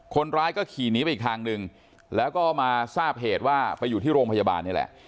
คนร้ายก็ขี่หนีไปอีกทางหนึ่งแล้วก็มาทราบเหตุว่าไปอยู่ที่โรงพยาบาลนี่แหละ